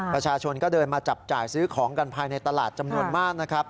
ประชาชนก็เดินมาจับจ่ายซื้อของกันภายในตลาดจำนวนมากนะครับ